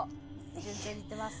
順調にいってます。